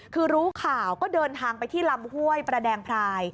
คือรู้ข่าวก็เดินทางไปที่ลำห้วยประแดงพราย